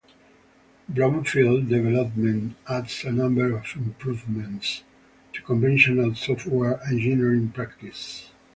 Brownfield development adds a number of improvements to conventional software engineering practices.